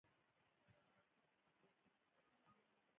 کورنیو خپلمنځي شخړو په کوم برخلیک اخته کړل.